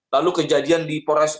lalu kejadian di pores